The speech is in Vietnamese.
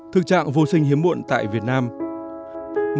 thực trạng vô sinh hiếm muộn tại việt nam